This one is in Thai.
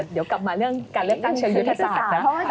เดี๋ยวกลับมาเรื่องการเลือกตั้งเชิงยุทธศาสตร์นะ